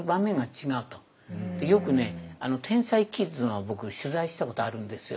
よくね天才キッズの僕取材したことあるんですよ。